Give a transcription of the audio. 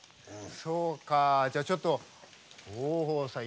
そうかじゃあちょっと豊豊さん